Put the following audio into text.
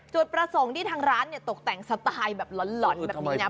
จุดประสงค์ที่ทางร้านเนี่ยตกแต่งสไตล์แบบหล่อนแบบนี้นะ